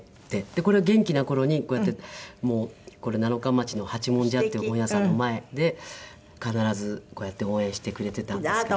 これは元気な頃にこうやってこれ七日町の八文字屋っていう本屋さんの前で必ずこうやって応援してくれていたんですけど。